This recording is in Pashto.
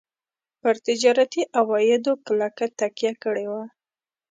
پر تجارتي عوایدو کلکه تکیه کړې وه.